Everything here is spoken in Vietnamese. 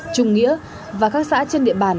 trùng nghĩa và các xã trên địa bàn